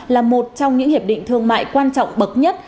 là một trong những hiệp định thương mại quan trọng bậc nhất